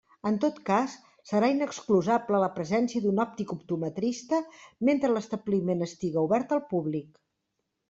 En tot cas, serà inexcusable la presència d'un òptic optometrista mentre l'establiment estiga obert al públic.